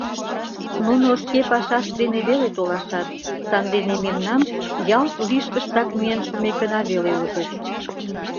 Нуно шке пашашт дене веле толашат, сандене мемнам ялт лишкыштак миен шумекына веле ужыч.